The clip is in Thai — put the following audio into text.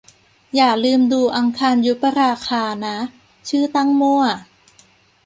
อย่าลืมดู 'อังคารยุปราคา' นะ - ชื่อตั้งมั่ว